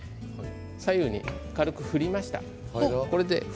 左右に振りました。